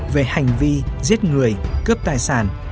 về hành vi giết người cướp tài sản